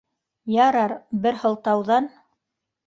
Ярар, бер һылтауҙан